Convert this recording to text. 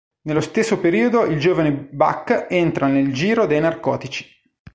Nello stesso periodo il giovane Buck entra nel giro dei narcotici.